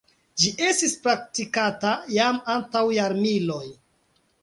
Ĝi estis praktikata jam antaŭ jarmiloj.